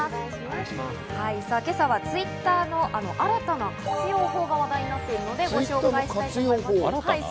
今朝はＴｗｉｔｔｅｒの新たな活用法が話題になっているので、ご紹介したいと思います。